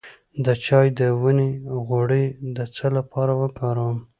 د چای د ونې غوړي د څه لپاره وکاروم؟